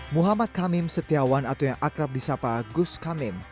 muhammad kamim setiawan atau yang akrab di sapa gus kamim